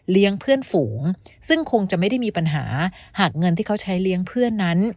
เพื่อนฝูงซึ่งคงจะไม่ได้มีปัญหาหากเงินที่เขาใช้เลี้ยงเพื่อนนั้น